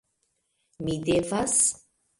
Mi devas...